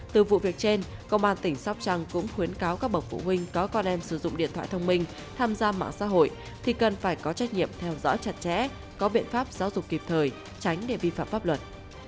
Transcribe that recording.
từ vụ việc trên công an tỉnh sóc trăng cũng khuyến cáo các bậc phụ huynh có con em sử dụng điện thoại thông minh tham gia mạng xã hội thì cần phải có trách nhiệm theo dõi chặt chẽ có biện pháp giáo dục kịp thời tránh để vi phạm pháp luật